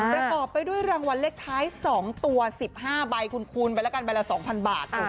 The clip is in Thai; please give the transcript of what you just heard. ประกอบไปด้วยรางวัลเลขท้าย๒ตัว๑๕ใบคุณคูณไปแล้วกันใบละ๒๐๐บาท